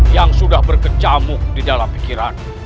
yang sudah berkecamuk di dalam pikiran